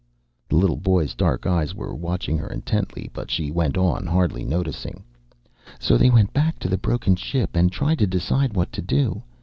The little boy's dark eyes were watching her intently but she went on, hardly noticing. "So they went back to the broken ship and tried to decide what to do.